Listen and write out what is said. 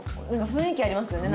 雰囲気ありますよね。